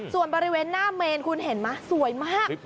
ส่วนบริเวณหน้าเมนคุณเห็นไหมสวยมาก